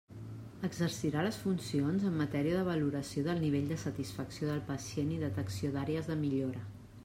Exercirà les funcions en matèria de valoració del nivell de satisfacció del pacient i detecció d'àrees de millora.